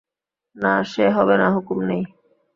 না, সে হবে না, হুকুম নেই।